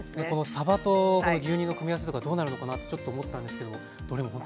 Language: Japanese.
さばとこの牛乳の組み合わせとかどうなるのかなとちょっと思ったんですけどもどれもほんとにおいしかったです。